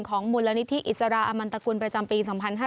มูลนิธิอิสราอมันตกุลประจำปี๒๕๕๙